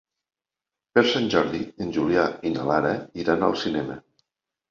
Per Sant Jordi en Julià i na Lara iran al cinema.